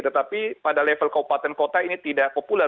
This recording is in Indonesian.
tetapi pada level kabupaten kota ini tidak populer